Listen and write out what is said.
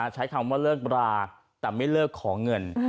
ใช้คำว่าเลิกบราแต่ไม่เลิกขอเงิน